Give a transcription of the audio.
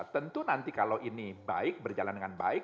tentu nanti kalau ini baik berjalan dengan baik